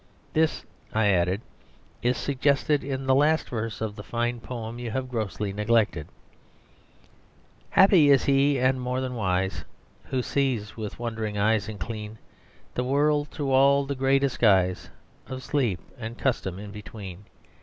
"This," I added, "is suggested in the last verse of a fine poem you have grossly neglected "'Happy is he and more than wise Who sees with wondering eyes and clean The world through all the grey disguise Of sleep and custom in between.